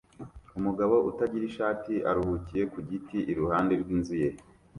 Umugabo utagira ishati aruhukiye ku giti iruhande rw'inzu ye